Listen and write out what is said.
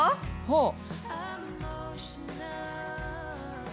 ほう。